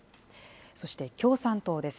そして、共産党です。